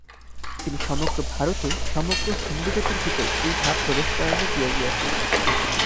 তিনি সমগ্র ভারতে সমগ্র হিন্দুজাতির ভিতর এই ভাব প্রবেশ করাইয়া দিয়া গিয়াছেন।